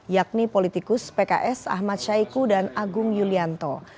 yakni politikus pks ahmad syaiqo dan agung yulianto